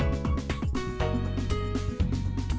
vâng cảm ơn